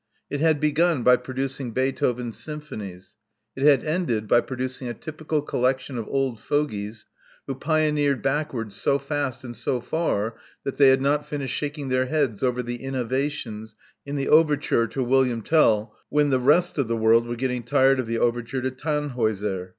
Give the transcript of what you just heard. It had begun by producing Beethoven's symphonies: it had ended by producing a typical collection of old fogeys, who pioneered backwards so fast and so far that they had not finished shaking their heads over the innovations in the overture to William Tell" when the rest of the world were growing tired of the overture to Tannhauser.